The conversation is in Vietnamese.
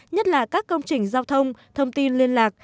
nhất là các công trình giao thông thông tin liên lạc